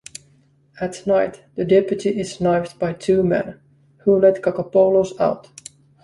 At night the deputy is knifed by two men, who let Cacopoulos out.